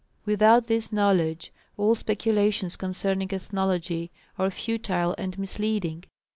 Without this knowledge all speculations concerning ethnology are futile and misleading.